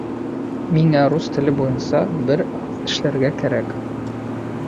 Миңә рус теле буйынса бер аҙ эшләргә кәрәк.